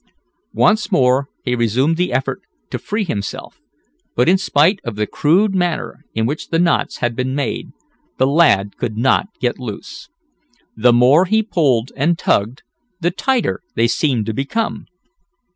Once more he resumed the effort to free himself, but in spite of the crude manner in which the knots had been made, the lad could not get loose. The more he pulled and tugged the tighter they seemed to become.